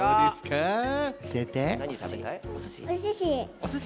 おすし。